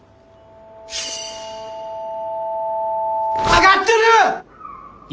上がってる！